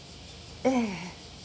ええ。